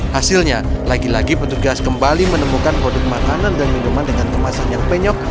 hasilnya lagi lagi petugas kembali menemukan produk makanan dan minuman dengan kemasan yang penyok